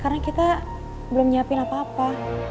karena kita belum nyiapin apa apa